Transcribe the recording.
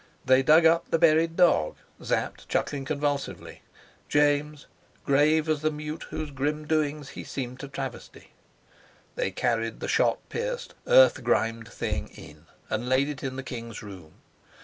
They dug up the buried dog, Sapt chuckling convulsively, James grave as the mute whose grim doings he seemed to travesty: they carried the shot pierced, earth grimed thing in, and laid it in the king's room.